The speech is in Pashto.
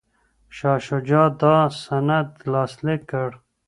شاه شجاع دا سند لاسلیک کړ.